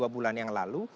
bulan yang lalu